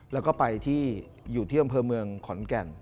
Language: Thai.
แล้วก็ไปที่อยู่ที่อำเภอเมืองขอนแก่น